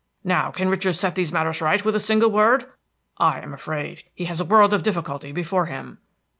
Now, can Richard set these matters right with a single word? I am afraid he has a world of difficulty before him."